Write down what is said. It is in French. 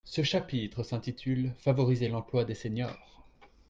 Ce chapitre s’intitule Favoriser l’emploi des seniors.